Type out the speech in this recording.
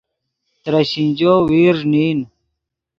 ترے شینجو ویرݱ نین